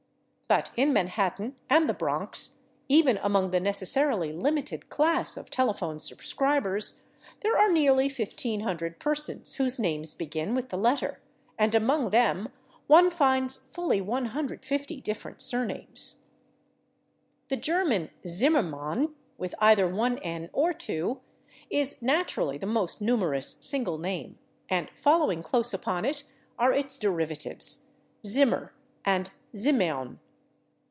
But in Manhattan and the Bronx, even among the necessarily limited class of telephone subscribers, there are nearly 1500 persons whose names begin with the letter, and among them one finds fully 150 different surnames. The German /Zimmermann/, with either one /n/ or two, is naturally the most numerous single name, and following close upon it are its derivatives, /Zimmer/ and /Zimmern